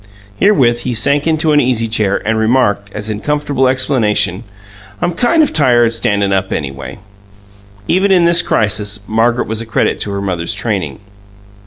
Herewith, he sank into an easy chair, and remarked, as in comfortable explanation, "I'm kind of tired standin' up, anyway." Even in this crisis, Margaret was a credit to her mother's training.